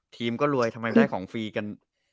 ทีมก็รวยทำไมได้ของฟรีกัน